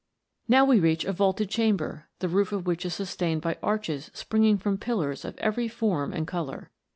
Now we reach a vaulted chamber, the roof of which is sustained by arches springing from pillars of every form and colour.